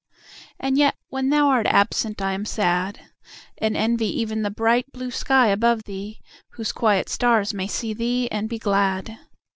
And yet when thou art absent I am sad; And envy even the bright blue sky above thee, Whose quiet stars may see thee and be glad.